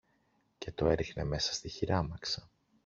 και το έριχνε μέσα στη χειράμαξα.